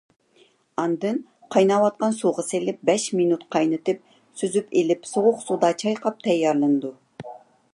ئاندىن قايناۋاتقان سۇغا سېلىپ بەش مىنۇت قاينىتىپ، سۈزۈپ ئېلىپ سوغۇق سۇدا چايقاپ تەييارلىنىدۇ.